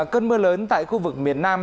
cơn mưa lớn tại khu vực miền nam